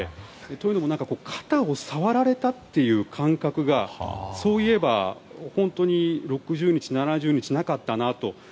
というのも肩を触られたっていう感覚がそういえば本当に６０日、７０日なかったなと。